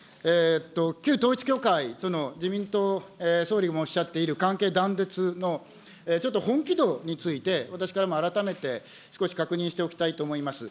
旧統一教会との自民党、総理もおっしゃっている関係断絶の、ちょっと本気度について、私からも改めて少し確認しておきたいと思います。